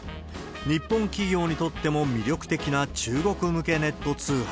日本企業にとっても魅力的な中国向けネット通販。